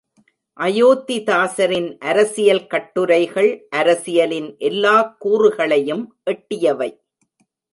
அயோத்திதாசரின் அரசியல் கட்டுரைகள் அரசியலின் எல்லாக் கூறுகளையும் எட்டியவை.